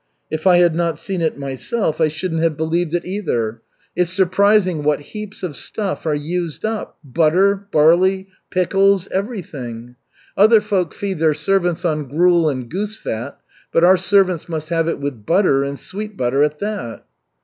"If I had not seen it myself, I shouldn't have believed it, either. It's surprising what heaps of stuff are used up! Butter, barley, pickles everything. Other folk feed their servants on gruel and goose fat, but our servants must have it with butter, and sweet butter at that."